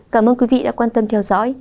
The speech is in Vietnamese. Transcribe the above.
cảm ơn quý vị đã quan tâm theo dõi